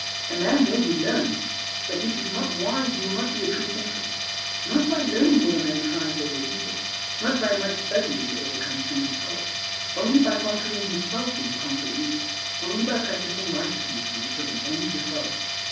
A man may be learned, but if he is not wise he will not be a true thinker. Not by learning will a man triumph over evil; not by much study will he overcome sin and sorrow. Only by conquering himself will he conquer evil; only by practicing righteousness will he put an end to sorrow.